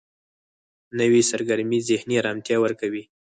نوې سرګرمي ذهني آرامتیا ورکوي